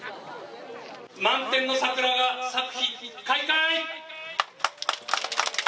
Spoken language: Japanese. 満天の桜が咲く日、開会。